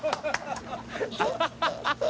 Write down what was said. ハハハハ！